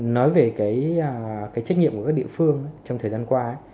nói về cái trách nhiệm của các địa phương trong thời gian qua